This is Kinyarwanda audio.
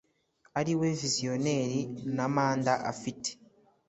ariwe viziyoneri nta manda afite